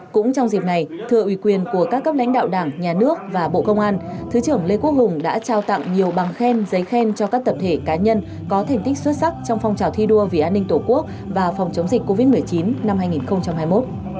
cũng trong dịp này thưa ủy quyền của các cấp lãnh đạo đảng nhà nước và bộ công an thứ trưởng lê quốc hùng đã trao tặng nhiều bằng khen giấy khen cho các tập thể cá nhân có thành tích xuất sắc trong phong trào thi đua vì an ninh tổ quốc và phòng chống dịch covid một mươi chín năm hai nghìn hai mươi một